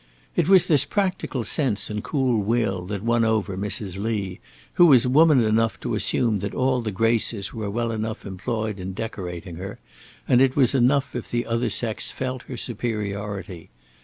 It was this practical sense and cool will that won over Mrs. Lee, who was woman enough to assume that all the graces were well enough employed in decorating her, and it was enough if the other sex felt her superiority.